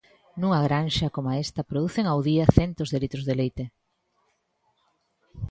Nunha granxa coma esta producen ao día centos de litros de leite.